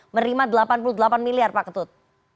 menerima delapan puluh delapan miliar pak ketut